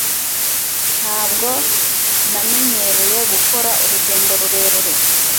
ntabwo namenyereye gukora urugendo rurerure